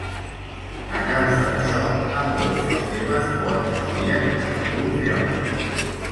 A causa d'això, ambdós sistemes coexistien en alguns llocs.